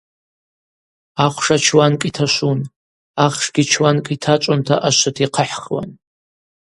Ахвша чуанкӏ йташвун, ахшгьи чуанкӏ йтачӏвунта ашвыта йхъыхӏхуан.